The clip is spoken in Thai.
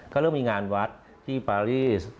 ก็เริ่มมีงานวัดที่ปารีส